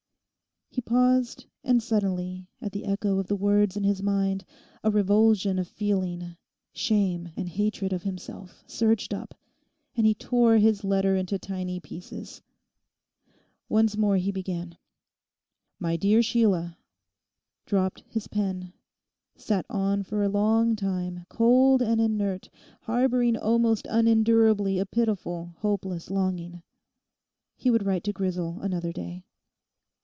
He paused, and suddenly, at the echo of the words in his mind, a revulsion of feeling—shame and hatred of himself surged up, and he tore his letter into tiny pieces. Once more he began, 'my dear Sheila,' dropped his pen, sat on for a long time, cold and inert, harbouring almost unendurably a pitiful, hopeless longing.... He would write to Grisel another day.